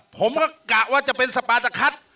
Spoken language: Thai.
ผมก็กะว่าจะเป็นสปาตะคัท